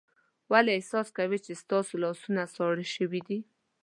ولې احساس کوئ چې ستاسو لاسونه ساړه شوي دي؟